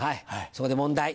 そこで問題。